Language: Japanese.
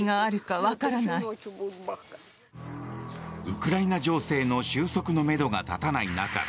ウクライナ情勢の収束のめどが立たない中